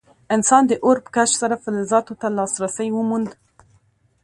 انسان د اور په کشف سره فلزاتو ته لاسرسی وموند.